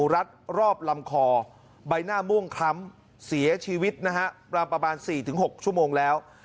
รัดรอบลำคอใบหน้าม่วงคล้ำเสียชีวิตนะฮะประมาณ๔๖ชั่วโมงแล้ว